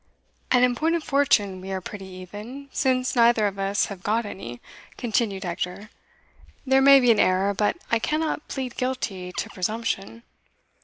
"And in point of fortune we are pretty even, since neither of us have got any," continued Hector. "There may be an error, but I cannot plead guilty to presumption."